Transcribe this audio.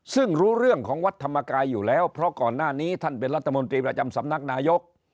ซึ่งรู้เรื่องของวัดธรรมกายอยู่แล้วเพราะก่อนหน้านี้ท่านเป็นรัฐมนตรีประจำสำนักนายก